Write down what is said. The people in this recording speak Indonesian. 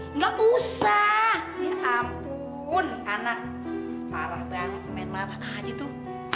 enggak usah ya ampun anak parah banget aja tuh